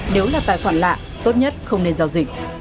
nếu là tài khoản lạ tốt nhất không nên giao dịch